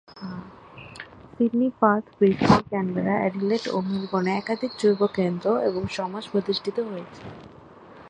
Sydney, Perth, Brisbane, Canberra, Adelaide ও মেলবোর্নে একাধিক জৈন কেন্দ্র এবং/অথবা সমাজ প্রতিষ্ঠিত হয়েছে।